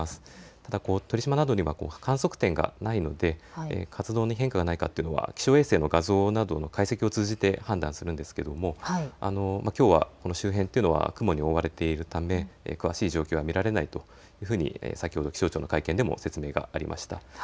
ただ鳥島などには観測点がないので活動に変化がないかというのは気象衛星の画像などの解析を通じて判断するんですが、きょうはこの周辺というのは雲に覆われているため詳しい状況は見られないというふうに先ほど気象庁の会見でも説明がありました。